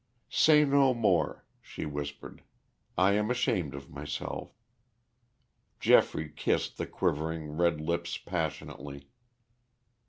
"Say no more," she whispered. "I am ashamed of myself." Geoffrey kissed the quivering red lips passionately.